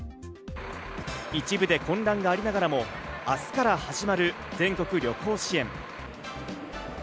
一部で混乱がありながらも、明日から始まる全国旅行支援。